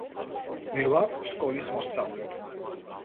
მე ვარ სკოლის მოსწავლე